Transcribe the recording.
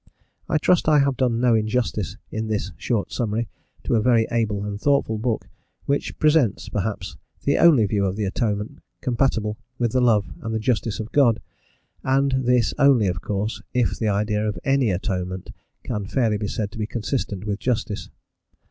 I trust I have done no injustice in this short summary to a very able and thoughtful book, which presents, perhaps, the only view of the Atonement compatible with the love and the justice of God; and this only, of course, if the idea of any atonement can fairly be said to be consistent with justice.